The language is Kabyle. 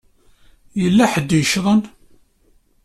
Yella ḥedd i yeccḍen.